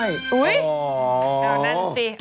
เอาต่อนั่นสิช่วงหน้าค่ะกับครูเดียว